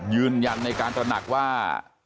ยืนยันในการตระหนักว่า